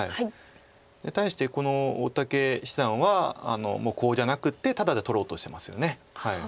対して大竹七段はコウじゃなくてただで取ろうとしてますよね。